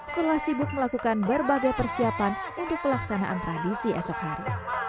setelah sibuk melakukan berbagai persiapan untuk pelaksanaan tradisi esok hari